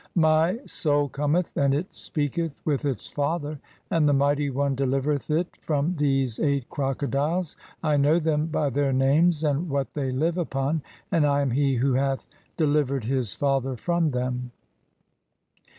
[My] soul cometh and it 'speaketh with its father, and the Mighty One delivcreth it (2) 'from these eight : crocodiles. I know them by their names and '[what] they live upon, and I am he who hath delivered his 'father from them."